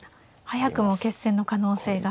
早くも決戦の可能性が。